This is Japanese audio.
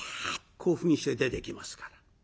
興奮して出てきますから。